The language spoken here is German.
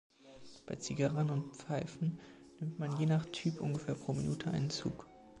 Bei Zigarren und Pfeifen nimmt man je nach Typ ungefähr pro Minute einen Zug.